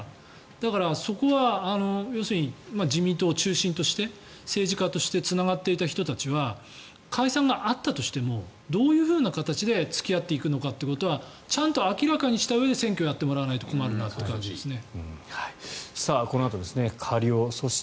だから、そこは要するに自民党を中心として政治家としてつながっていた人たちは解散があったとしてもどういう形で付き合っていくのかということはちゃんと明らかにしたうえで選挙をやってもらわないと困るなという感じですね。